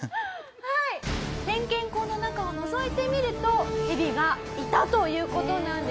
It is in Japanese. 点検口の中をのぞいてみるとヘビがいたという事なんです。